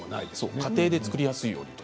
家庭で作りやすいように。